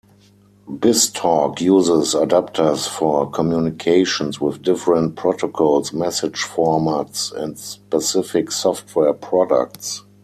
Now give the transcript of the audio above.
BizTalk uses adapters for communications with different protocols, message formats, and specific software products.